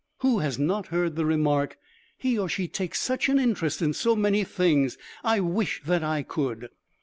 Who has not heard the remark, "He or she takes such an interest in so many things I wish that I could."